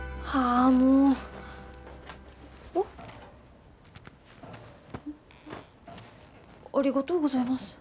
ありがとうございます。